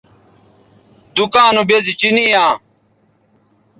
دکاں نو بیزی چینی یاں